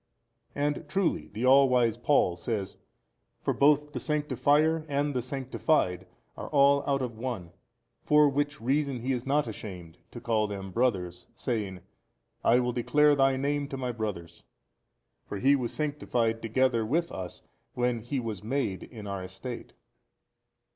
And truly the all wise Paul says, For both the Sanctifier and the sanctified are all out of one, for which reason He is not ashamed to call them brothers saying, I will declare Thy Name to My brothers: for He was sanctified together with us when He WAS MADE in our estate.